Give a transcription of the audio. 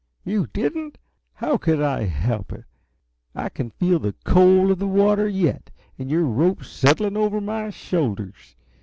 "You didn't? How could I help it? I can feel the cold of the water yet, and your rope settling over my shoulders.